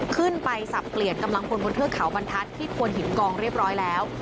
สับเปลี่ยนกำลังพลบนเทือกเขาบรรทัศน์ที่โทนหินกองเรียบร้อยแล้ว